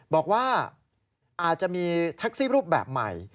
บอกว่าอาจจะมีแท็กซี่รูปแบบใหม่